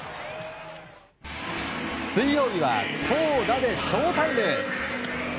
水曜日は投打でショータイム！